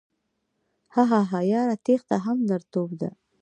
هههههه یاره تیښته هم نرتوب ده